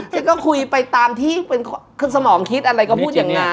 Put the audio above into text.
ฉันก็คุยไปตามที่เป็นสมองคิดอะไรก็พูดอย่างนั้น